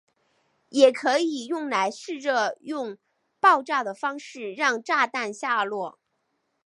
也可以用来试着用爆炸的方式让炸弹下落。